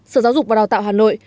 sở giáo dục và đào tạo hà nội